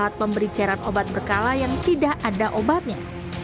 yang memberi ceran obat berkala yang tidak ada obatnya